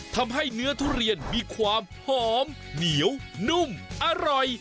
ทำให้เนื้อทุเรียนมีความหอมเหนียวนุ่มอร่อย